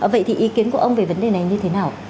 vậy thì ý kiến của ông về vấn đề này như thế nào